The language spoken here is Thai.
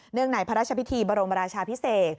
เนื่องในพระราชพิธีบริมัติราชาพิเศษ